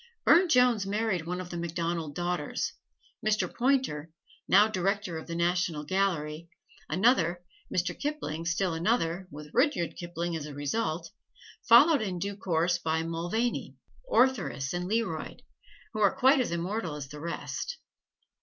Burne Jones married one of the MacDonald daughters; Mr. Poynter, now Director of the National Gallery, another; Mr. Kipling still another with Rudyard Kipling as a result, followed in due course by Mulvaney, Ortheris and Learoyd, who are quite as immortal as the rest.